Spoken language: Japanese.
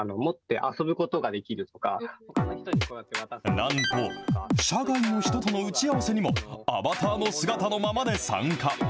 なんと、社外の人との打ち合わせにも、アバターの姿のままで参加。